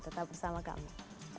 tetap bersama kami